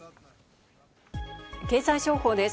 経済情報です。